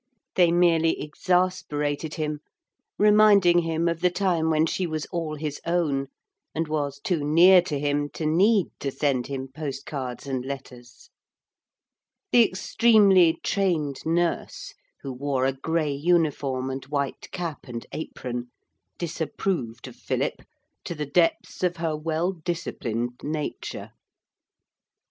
They merely exasperated him, reminding him of the time when she was all his own, and was too near to him to need to send him post cards and letters. The extremely trained nurse, who wore a grey uniform and white cap and apron, disapproved of Philip to the depths of her well disciplined nature.